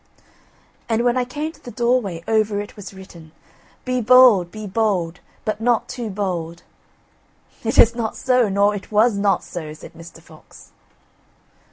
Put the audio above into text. "And when I came to the doorway over it was written: BE BOLD, BE BOLD, BUT NOT TOO BOLD. "It is not so, nor it was not so," said Mr. Fox.